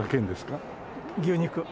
牛肉。